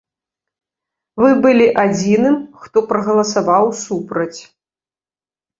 Вы былі адзіным, хто прагаласаваў супраць.